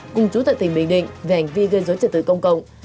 cùng chủ tịch tỉnh bình định về hành vi gây dối trật tự công cộng